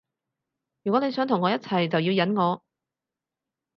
如果你想同我一齊就要忍我